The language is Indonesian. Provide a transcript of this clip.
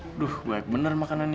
aduh baik benar makanannya